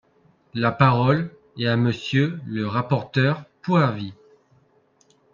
La parole est à Monsieur le rapporteur pour avis.